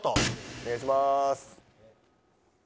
お願いします。